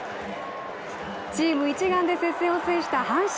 チーム一丸で接戦を制した阪神。